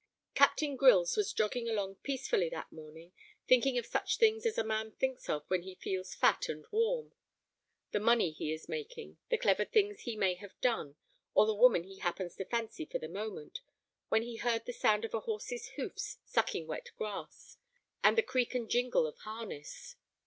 Captain Grylls was jogging along peacefully that morning, thinking of such things as a man thinks of when he feels fat and warm, the money he is making, the clever things he may have done, or the woman he happens to fancy for the moment, when he heard the sound of a horse's hoofs sucking wet grass, and the creak and jingle of harness.